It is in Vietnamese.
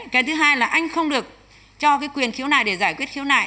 cái thứ hai là anh không được cho cái quyền khiếu nải để giải quyết khiếu nải